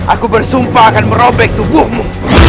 aku bersumpah akan merobek tubuhmu